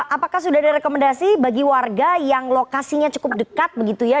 apakah sudah ada rekomendasi bagi warga yang lokasinya cukup dekat begitu ya